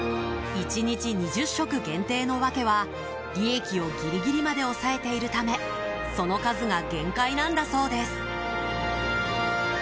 １日２０食限定の訳は利益をギリギリまで抑えているためその数が限界なんだそうです。